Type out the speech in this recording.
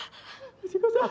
藤子さん。